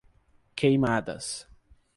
Queimadas